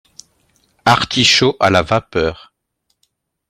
Artichauts à la vapeur